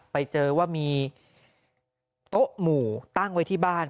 ไปเจอว่ามีโต๊ะหมู่ตั้งไว้ที่บ้าน